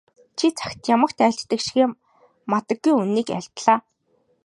Чи цаг ямагт айлддаг шигээ мадаггүй үнэнийг айлдлаа.